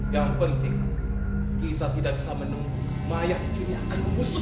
yang penting kita tidak bisa menunggu mayat ini akan busuk